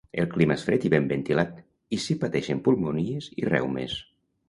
El clima és fred i ben ventilat, i s'hi pateixen pulmonies i reumes.